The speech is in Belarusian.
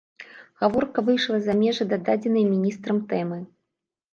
Гаворка выйшла за межы зададзенай міністрам тэмы.